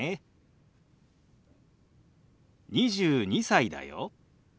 「２２歳だよ」。